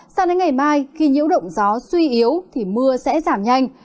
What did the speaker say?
sang đến ngày mai khi nhiễu động gió suy yếu thì mưa sẽ giảm nhanh